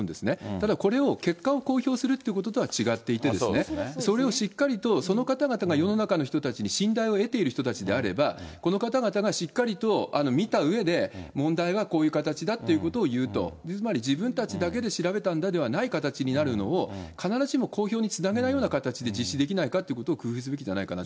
ただこれを、結果を公表するということとは違っていてですね、それをしっかりとその方々が世の中の人たちに信頼を得ている人たちであれば、この方々がしっかりと見たうえで、問題はこういう形だということを言うと、つまり自分たちだけで調べたんではない形になるのを、必ずしも公表につなげない形で実施できないかってことを工夫すべきじゃないかなと。